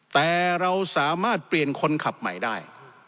แต่เราสามารถเปลี่ยนคนขับใหม่ได้